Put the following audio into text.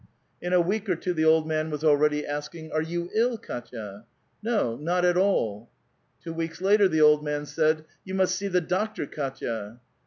In a week or two the old man was already asking, " Are youill, K%a?" " No, not at all." Two weeks later the old man said, ''You must see the doctor, Kdtya."